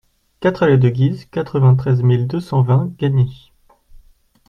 quatre allée de Guise, quatre-vingt-treize mille deux cent vingt Gagny